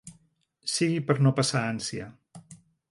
Sigui per no passar ànsia.